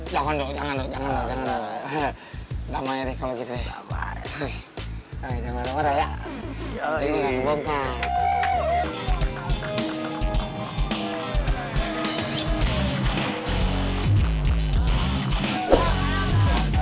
jangan lho jangan lho